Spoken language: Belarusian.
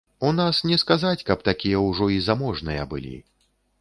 У нас не сказаць, каб такія ўжо і заможныя былі.